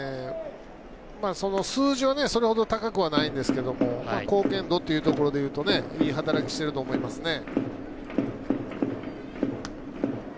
数字はそれほど高くはないんですけど貢献度というところでいうといい働きしてると思いますね。